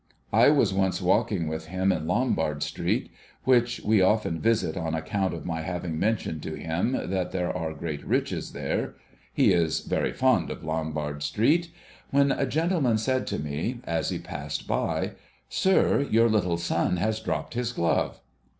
I was once walking with him in Lombard Street, which we often visit on account of my having mentioned to him that there are great riches there — he is very fond of Lombard Street •— when a gentleman said to me as he passed by, ' Sir, your little son has dropped his glove.'